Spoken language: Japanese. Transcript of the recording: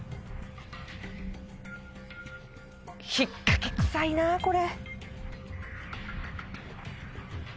引っ掛けくさいなこれ。